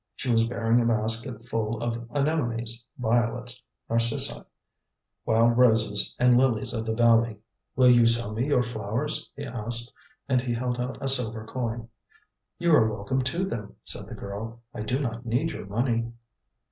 She was bearing a basket full of anemones, violets, narcissi, wild roses, and lilies of the valley. "Will you sell me your flowers?" he asked, and he held out a silver coin. "You are welcome to them," said the girl. "I do not need your money."